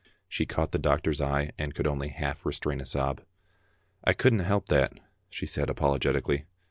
" She caught the doctor's eye, and could only half restrain a sob. " I couldna help that," she said, apologetically.